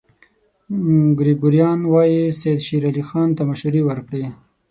ګریګوریان وايي سید شېر علي خان ته مشورې ورکړې.